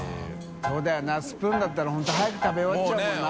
修Δ世茲スプーンだったら本当早く食べ終わっちゃうもんな。